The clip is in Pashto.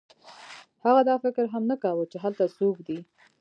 هغه دا فکر هم نه کاوه چې هلته څوک دی